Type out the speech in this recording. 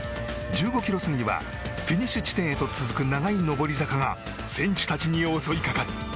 １５ｋｍ過ぎにはフィニッシュ地点へと続く長い上り坂が選手たちに襲いかかる。